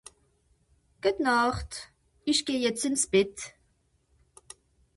Gutnacht isch geh jetzt ins Bett